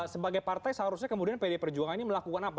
sebagai partai seharusnya kemudian pdi perjuangan ini melakukan apa